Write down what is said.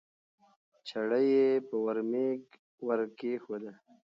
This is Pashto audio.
چړه یې په ورمېږ ورکېښوده